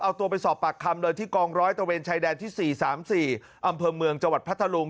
เอาตัวไปสอบปากคำเลยที่กองร้อยตะเวนชายแดนที่๔๓๔อำเภอเมืองจังหวัดพัทธลุง